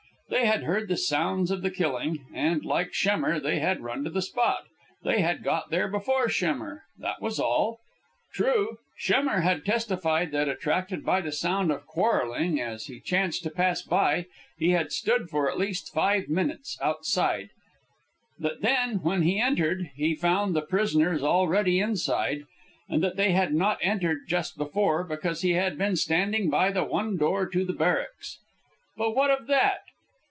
They had heard the sounds of the killing, and, like Schemmer, they had run to the spot. They had got there before Schemmer that was all. True, Schemmer had testified that, attracted by the sound of quarrelling as he chanced to pass by, he had stood for at least five minutes outside; that then, when he entered, he found the prisoners already inside; and that they had not entered just before, because he had been standing by the one door to the barracks. But what of that?